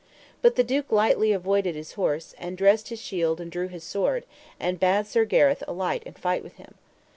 But the duke lightly avoided his horse, and dressed his shield and drew his sword, and bade Sir Gareth alight and fight with him.